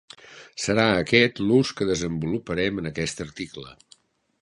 Serà aquest l'ús que desenvoluparem en aquest article.